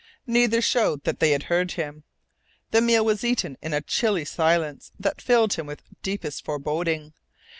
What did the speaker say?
Neither showed that they had heard him. The meal was eaten in a chilly silence that filled him with deepest foreboding.